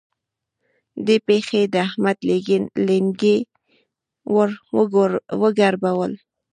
دې پېښې د احمد لېنګي ور وګړبول.